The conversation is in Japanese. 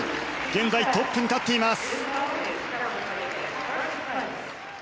現在トップに立っています。